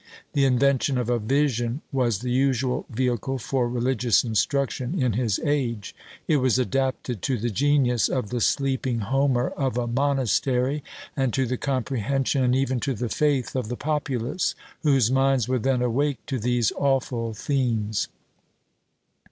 The invention of a VISION was the usual vehicle for religious instruction in his age; it was adapted to the genius of the sleeping Homer of a monastery, and to the comprehension, and even to the faith of the populace, whose minds were then awake to these awful themes.